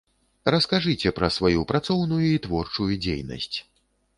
Раскажыце пра сваю працоўную і творчую дзейнасць.